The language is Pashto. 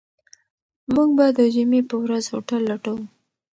موږ به د جمعې په ورځ هوټل لټوو.